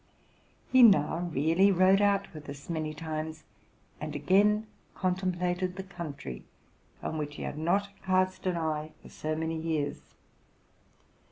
He now really rode out with us many times, and again contemplated the country, on which he had not cast an eye for so many years.